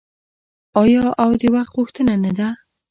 آیا او د وخت غوښتنه نه ده؟